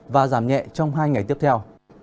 và giảm nhẹ trong hai ngày tiếp theo